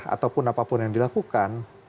ataupun apapun yang dilakukan